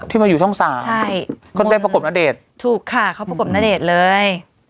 มาอยู่ช่องสามใช่ก็ได้ประกบณเดชน์ถูกค่ะเขาประกบณเดชน์เลย